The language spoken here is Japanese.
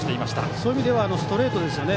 そういう意味ではストレートですよね。